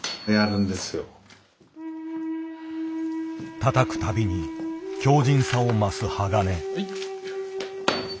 たたくたびに強じんさを増す鋼。